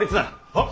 はっ。